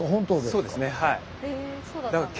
そうですねはい。